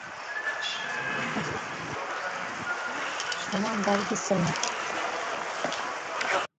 সামান সাড়া দিচ্ছিল না।